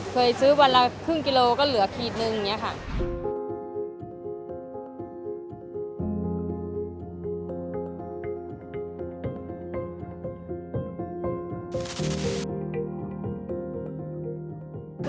เคยซื้อวันละครึ่งกิโลก็เหลือขีดนึงอย่างนี้ค่ะ